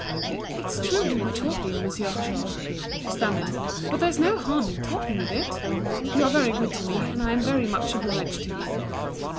"It's true we were talking, Monsieur Jouve," she stammered, "but there's no harm in talking a bit. You are very good to me, and I'm very much obliged to you."